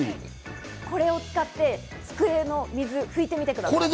これを使って机の水を拭いてみてください。